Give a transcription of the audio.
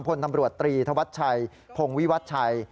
พลตำรวจตรีธวัชชัยพงวิวัชชัย